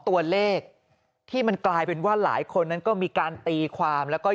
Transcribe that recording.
ตัวเลขที่มันกลายเป็นว่าหลายคนนั้นก็มีการตีความแล้วก็